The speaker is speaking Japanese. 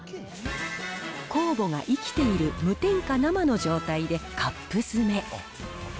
酵母が生きている無添加生の状態でパック詰め。